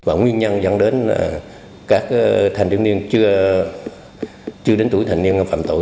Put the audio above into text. và nguyên nhân dẫn đến là các thanh thiếu niên chưa đến tuổi thanh niên phạm tội